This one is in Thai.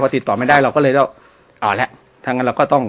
เพราะติดต่อไม่ได้เราก็เลยจะอ่าแล้วทั้งงานเราก็ต้อง